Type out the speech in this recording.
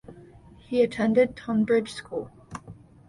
He attended Tonbridge School.